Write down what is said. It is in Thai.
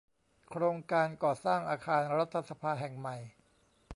โครงการก่อสร้างอาคารรัฐสภาแห่งใหม่